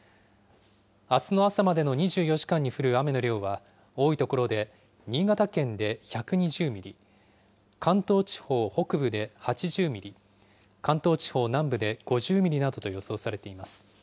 あすの朝までの２４時間に降る雨の量は、多い所で、新潟県で１２０ミリ、関東地方北部で８０ミリ、関東地方南部で５０ミリなどと予想されています。